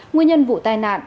nguyên nhân vụ tai nạn